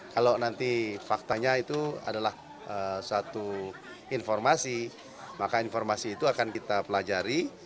kalau nanti faktanya itu adalah satu informasi maka informasi itu akan kita pelajari